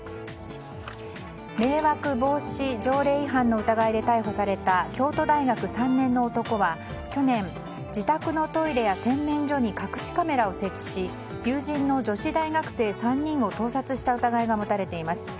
迷惑防止条例違反の疑いで逮捕された京都大学３年の男は、去年自宅のトイレや洗面所に隠しカメラを設置し友人の女子大学生３人を盗撮した疑いが持たれています。